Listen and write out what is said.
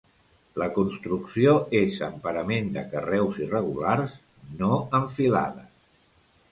La construcció és amb parament de carreus irregulars, no en filades.